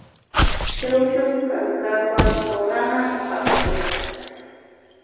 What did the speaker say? Chukllu kapkawa rurana pachukta.